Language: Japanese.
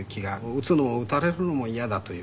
撃つのも撃たれるのも嫌だというね。